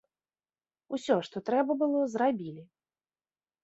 Усё, што трэба было, зрабілі.